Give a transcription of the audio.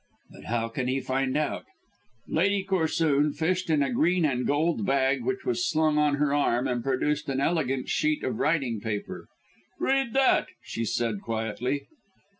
"But how can he find out?" Lady Corsoon fished in a green and gold bag which was slung on her arm and produced an elegant sheet of writing paper. "Read that," she said quietly.